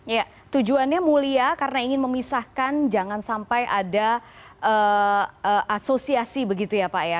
ya tujuannya mulia karena ingin memisahkan jangan sampai ada asosiasi begitu ya pak ya